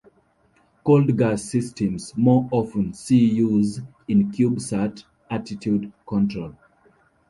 Cold gas systems more often see use in CubeSat attitude control.